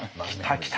来た！